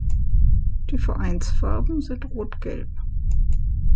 Die Vereinsfarben sind Rot-Gelb.